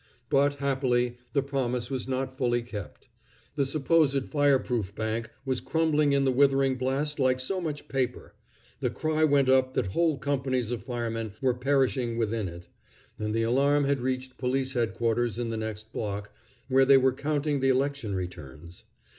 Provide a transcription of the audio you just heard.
But, happily, the promise was not fully kept. The supposed fire proof bank was crumbling in the withering blast like so much paper; the cry went up that whole companies of firemen were perishing within it; and the alarm had reached Police Headquarters in the next block, where they were counting the election returns.